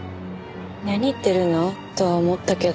何言ってるの？とは思ったけど。